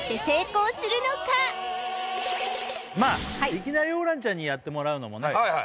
いきなりホランちゃんにやってもらうのもね